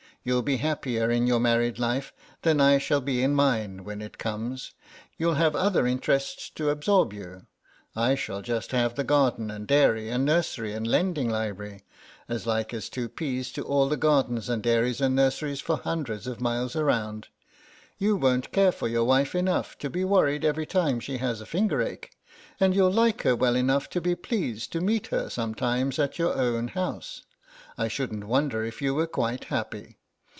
You'll be happier in your married life than I shall be in mine, when it comes; you'll have other interests to absorb you. I shall just have the garden and dairy and nursery and lending library, as like as two peas to all the gardens and dairies and nurseries for hundreds of miles round. You won't care for your wife enough to be worried every time she has a finger ache, and you'll like her well enough to be pleased to meet her sometimes at your own house. I shouldn't wonder if you were quite happy.